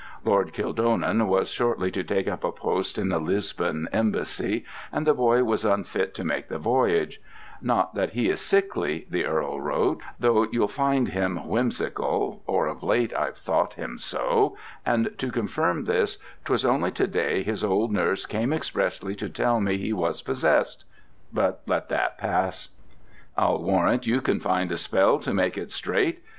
Lord Kildonan was shortly to take up a post in the Lisbon Embassy, and the boy was unfit to make the voyage: "not that he is sickly," the Earl wrote, "though you'll find him whimsical, or of late I've thought him so, and to confirm this, 'twas only to day his old nurse came expressly to tell me he was possess'd: but let that pass; I'll warrant you can find a spell to make all straight.